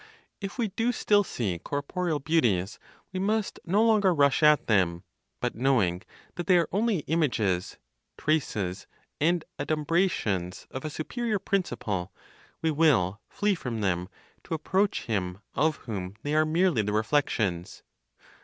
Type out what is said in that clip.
If we do still see corporeal beauties, we must no longer rush at them, but, knowing that they are only images, traces and adumbrations of a superior principle, we will flee from them, to approach Him of whom they are merely the reflections.